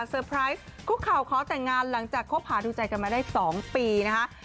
ไพรส์คุกเข่าขอแต่งงานหลังจากคบหาดูใจกันมาได้๒ปีนะคะ